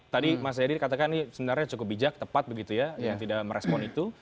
tadi mas jayadi katakan ini sebenarnya cukup bijak tepat begitu ya yang tidak merespon itu